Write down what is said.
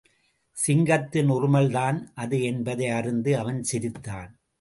சிங்கத்தின் உறுமல்தான் அது என்பதை அறிந்து, அவன் சிரித்தான்.